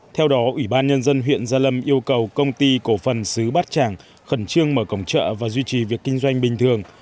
theo đó ủy ban nhân dân huyện gia lâm yêu cầu công ty cổ phần xứ bát tràng khẩn trương mở cổng chợ và duy trì việc kinh doanh bình thường